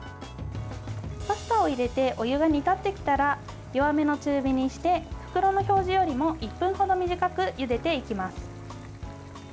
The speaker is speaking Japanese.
パスタを入れてお湯が煮立ってきたら弱めの中火にして袋の表示よりも１分ほど短くゆでていきます。